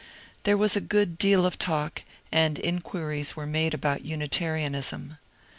There was a good deal of talk, and inquiries were made about Unitarianism.